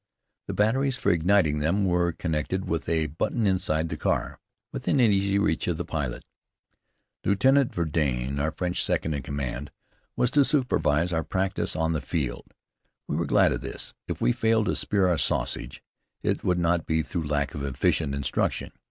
The batteries for igniting them were connected with a button inside the car, within easy reach of the pilot. Lieutenant Verdane, our French second in command, was to supervise our practice on the field. We were glad of this. If we failed to "spear our sausage," it would not be through lack of efficient instruction.